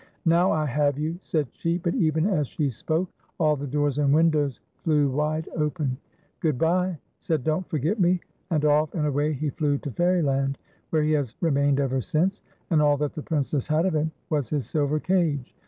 " Now I have you," said she. But even as she spoke all the doors and windows flew wide open. 196 FAIRIE AND BROWNIE. " Good bye," said Don't Forget Me ; and off and away he flew to Fairyland, where he has remained ever since, and all that the Princess had of him was his silver cage.